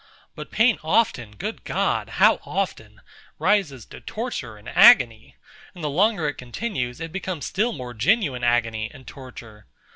But pain often, good God, how often! rises to torture and agony; and the longer it continues, it becomes still more genuine agony and torture.